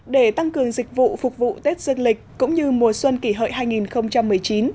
để tăng cường dịch vụ phục vụ tết dương lịch cũng như mùa xuân kỷ hợi hai nghìn một mươi chín